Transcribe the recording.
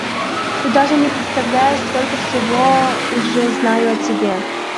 Ты даже не представляешь, сколько всего я уже знаю о тебе.